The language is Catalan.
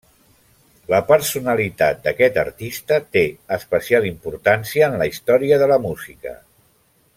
La personalitat d'aquest artista, té especial importància en la història de la Música.